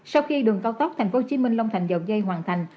sau khi đường cao tốc tp hcm long thành dầu dây hoàn thành